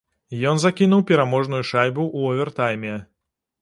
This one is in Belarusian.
Ён закінуў пераможную шайбу ў овертайме.